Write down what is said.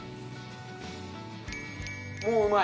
もううまい？